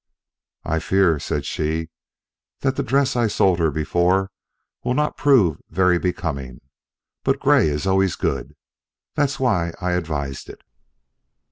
"I fear," said she, "that the dress I sold her before will not prove very becoming. But gray is always good. That's why I advised it."